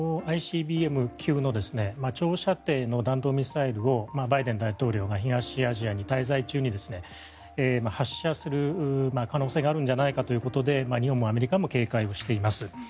ＩＣＢＭ級の長射程の弾道ミサイルをバイデン大統領が東アジアに滞在中に発射する可能性があるんじゃないかということで日本もアメリカも警戒をしています。